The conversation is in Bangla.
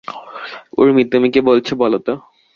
উর্মি, তুমি কী বলছো বলো তো?